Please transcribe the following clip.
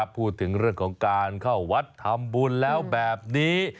พูดถึงเรื่องของการเข้าวัดทำบุญแล้วแบบนี้